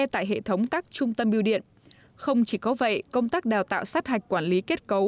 tại hệ thống các trung tâm biêu điện không chỉ có vậy công tác đào tạo sát hạch quản lý kết cấu